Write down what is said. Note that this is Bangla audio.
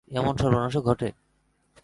এমন সর্বনাশও ঘটে!